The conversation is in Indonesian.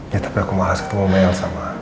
ya tapi aku mah alas ketemu mel sama